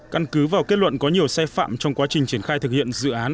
căn cứ vào kết luận có nhiều sai phạm trong quá trình triển khai thực hiện dự án